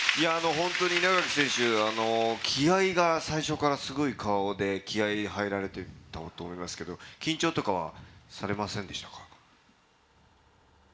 稲垣選手、本当に気合いが最初からすごい顔で気合い入られていたと思いますが緊張とかはされませんでしたか？